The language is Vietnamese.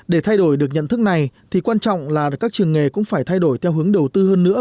để thay đổi được nhận thức này thì quan trọng là các trường nghề cũng phải thay đổi theo hướng đầu tư hơn nữa